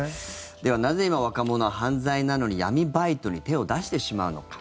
ではなぜ今、若者は犯罪なのに闇バイトに手を出してしまうのか。